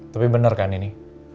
tapi bener kan ini